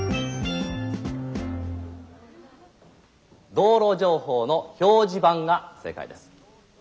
道路情報の表示板が正解です。